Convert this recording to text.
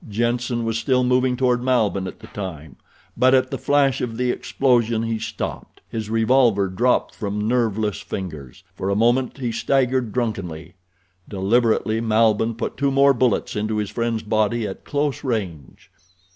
Jenssen was still moving toward Malbihn at the time, but at the flash of the explosion he stopped. His revolver dropped from nerveless fingers. For a moment he staggered drunkenly. Deliberately Malbihn put two more bullets into his friend's body at close range.